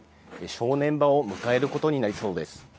正念場を迎えることになりそうです。